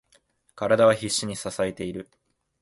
体は必死に支えている。